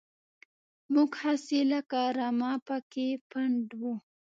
موږ هسې لکه رمه پکې پنډ وو.